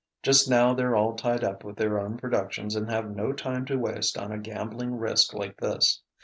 Just now they're all tied up with their own productions and have no time to waste on a gambling risk like this.